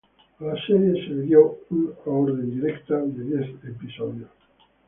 A la serie se le dio una orden directa de diez episodios.